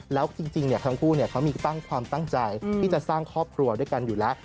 แล้วจริงทั้งคู่เขามีตั้งความตั้งใจที่จะสร้างครอบครัวด้วยกันอยู่แล้ว